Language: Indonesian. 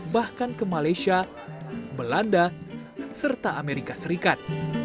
bahkan ke malaysia belanda serta amerika serikat